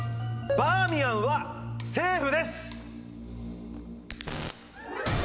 バーミヤンはセーフです！